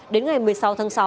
đến ngày một mươi sáu tháng sáu